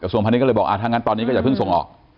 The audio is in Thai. ส่วนพันธุ์นี้ก็เลยบอกถ้างั้นตอนนี้ก็จะพึ่งส่งออก